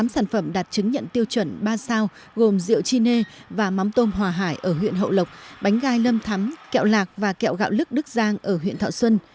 tám sản phẩm đạt chứng nhận tiêu chuẩn ba sao gồm rượu chi nê và mắm tôm hòa hải ở huyện hậu lộc bánh gai lâm thắm kẹo lạc và kẹo gạo lức đức giang ở huyện thọ xuân